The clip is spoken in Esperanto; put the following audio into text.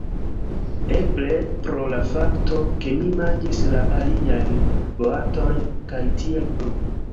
Eble pro la fakto, ke mi manĝis la aliajn boatojn kaj tiel plu.